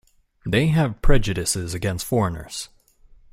They have prejudices against foreigners.